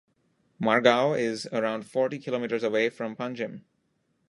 Margao is around forty kilometres away from Panjim.